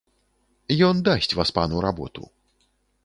Ён дасць васпану работу.